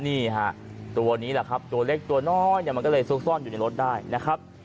นี่ฮะตัวนี้แหละครับตัวเล็กตัวน้อยเนี่ยมันก็เลยซุกซ่อนอยู่ในรถได้นะครับ